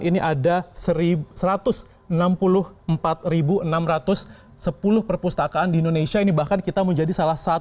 ini ada satu ratus enam puluh empat enam ratus sepuluh perpustakaan di indonesia ini bahkan kita menjadi salah satu